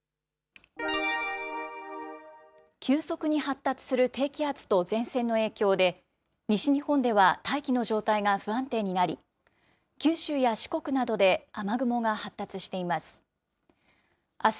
急速に発達する低気圧と前線の影響で、西日本では大気の状態が不安定になり、九州や四国などで雨雲が発達しています。